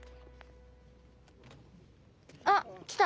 あっきた。